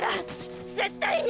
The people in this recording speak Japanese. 絶対に。